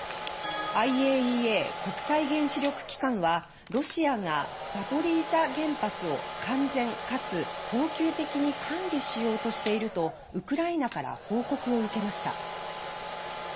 ＩＡＥＡ・国際原子力機関はロシアがザポリージャ原発を完全かつ恒久的に管理しようとしているとウクライナから報告を受けました。